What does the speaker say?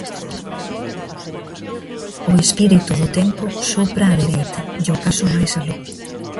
O espírito do tempo sopra á dereita, e acaso máis aló.